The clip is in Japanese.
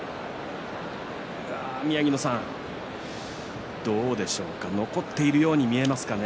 宮城野さん、どうでしょうか残っているように見えますかね？